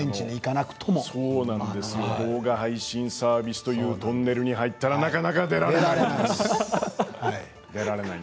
動画配信サービスというトンネルに入ったらなかなか抜け出せない。